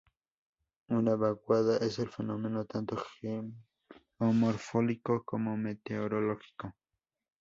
Una vaguada es un fenómeno tanto geomorfológico como meteorológico.